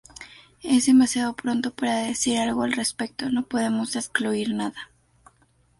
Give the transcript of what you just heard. Es demasiado pronto para decir algo al respecto, no podemos excluir nada".